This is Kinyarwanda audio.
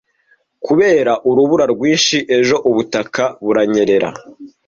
Kubera urubura rwinshi ejo, ubutaka buranyerera.